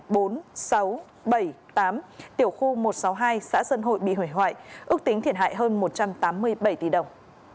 trong khi đó tiểu khu một trăm sáu mươi hai xã sơn hội bị hủy hoại ước tính thiệt hại hơn một trăm tám mươi bảy tỷ đồng